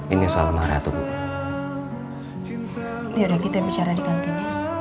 ini soal maharatuh ya udah kita bicara di kantin